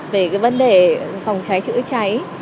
về cái vấn đề phòng cháy chữa cháy